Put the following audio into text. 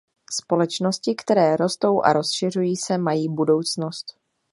Společnosti, které rostou a rozšiřují se, mají budoucnost.